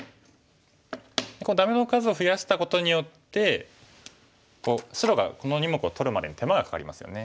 ダメの数を増やしたことによって白がこの２目を取るまでに手間がかかりますよね。